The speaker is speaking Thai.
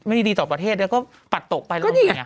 ไม่ดีต่อประเทศแล้วก็ปัดตกไปแล้วมันยังไง